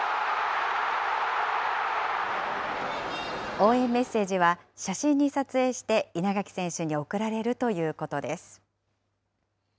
応援メッセージは、写真に撮影して稲垣選手に送られるということです。